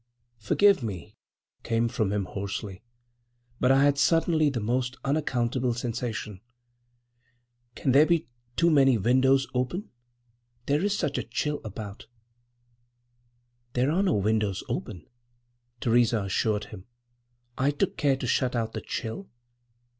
"Forgive me," came from him hoarsely. "But I had suddenly the most—unaccountable sensation. Can there be too many windows open? There is such a—chill—about." "There are no windows open," Theresa assured him. "I took care to shut out the chill.